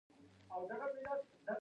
هغه مذهبي سخت دریځه و.